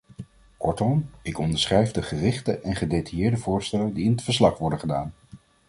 Kortom, ik onderschrijf de gerichte en gedetailleerde voorstellen die in het verslag worden gedaan.